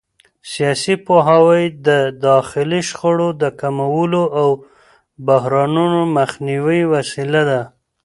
سیاسي پوهاوی د داخلي شخړو د کمولو او بحرانونو د مخنیوي وسیله ده